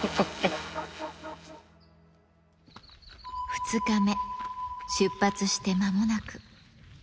２日目、出発してまもなく。